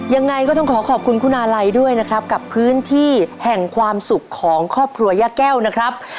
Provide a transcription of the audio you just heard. ยังไงก็ต้องขอขอบคุณคุณอาลัยด้วยนะครับกับพื้นที่แห่งความสุขของครอบครัวย่าแก้วนะครับ